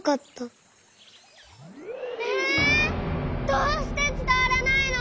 どうしてつたわらないの？